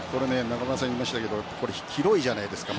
中村さんが言いましたけど広いじゃないですか。